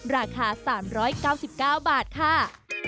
ราคา๓๙๙บาทค่ะ